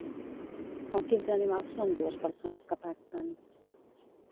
Com quins animals són dues persones que pacten?